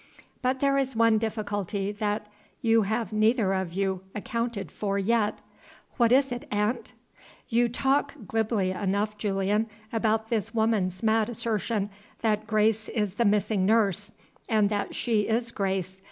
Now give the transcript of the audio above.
"But there is one difficulty that you have neither of you accounted for yet." "What is it, aunt?" "You talk glibly enough, Julian, about this woman's mad assertion that Grace is the missing nurse, and that she is Grace.